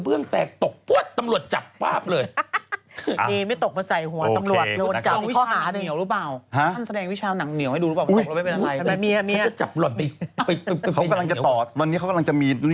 เอเมฆตกมาใส่หัวตำหรวดรวมงานอีกข้าวหนีน